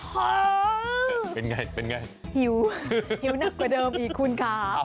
เป็นไงเป็นไงหิวหิวหนักกว่าเดิมอีกคุณค่ะ